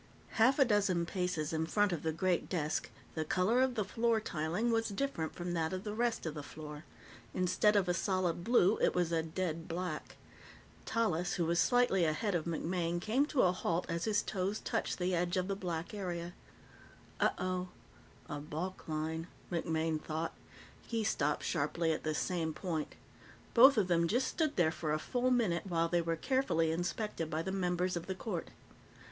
Half a dozen paces in front of the great desk, the color of the floor tiling was different from that of the rest of the floor. Instead of a solid blue, it was a dead black. Tallis, who was slightly ahead of MacMaine, came to a halt as his toes touched the edge of the black area. Uh oh! a balk line, MacMaine thought. He stopped sharply at the same point. Both of them just stood there for a full minute while they were carefully inspected by the members of the Court.